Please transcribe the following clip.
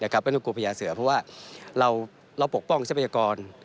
ก็ต้องกลัวพญาเสือเพราะว่าเราปกป้องทรัพยากร